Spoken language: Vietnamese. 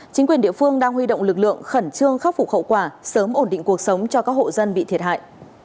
giúp phục khẩu quả sớm ổn định cuộc sống cho các hộ dân bị thiệt hại